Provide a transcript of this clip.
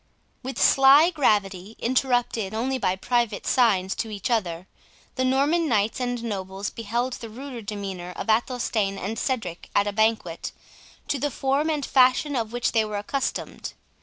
With sly gravity, interrupted only by private signs to each other, the Norman knights and nobles beheld the ruder demeanour of Athelstane and Cedric at a banquet, to the form and fashion of which they were unaccustomed.